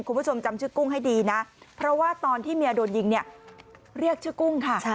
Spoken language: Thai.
คุณผู้ชมจำชื่อกุ้งให้ดีนะเพราะว่าตอนที่เมียโดนยิงเนี่ยเรียกชื่อกุ้งค่ะ